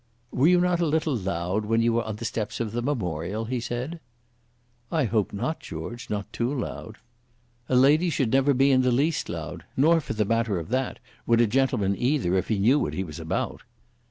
"Were you not a little loud when you were on the steps of the Memorial?" he said. "I hope not, George; not too loud." "A lady should never be in the least loud, nor for the matter of that would a gentleman either if he knew what he was about."